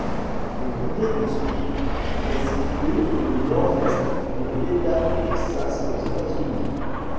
Le comté de Smith est situé au nord-est de l'État du Texas, aux États-Unis.